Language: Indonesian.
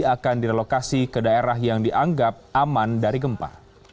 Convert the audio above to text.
akan direlokasi ke daerah yang dianggap aman dari gempa